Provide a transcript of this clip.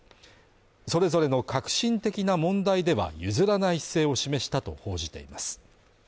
それぞれの核心的な問題では譲らない姿勢を示したと報じています。